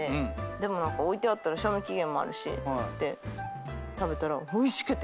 でも何か置いてあったら賞味期限もあるしって食べたらおいしくて！